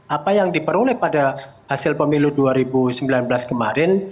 apa yang diperoleh pada hasil pemilu dua ribu sembilan belas kemarin